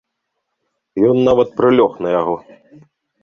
Ён нават прылёг на яго.